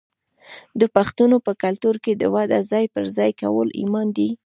د پښتنو په کلتور کې د وعدې ځای پر ځای کول ایمان دی.